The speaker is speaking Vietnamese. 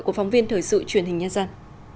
của phóng viên thời sự truyền hình nhân dân